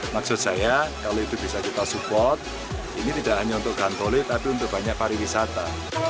maksud saya kalau itu bisa kita support ini tidak hanya untuk gantoli tapi untuk banyak pariwisata